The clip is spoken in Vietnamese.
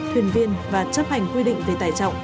thuyền viên và chấp hành quy định về tải trọng